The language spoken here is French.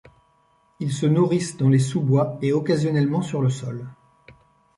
Ils se nourrissent dans les sous-bois et occasionnellement sur le sol.